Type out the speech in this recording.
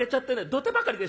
土手ばかりでしょ。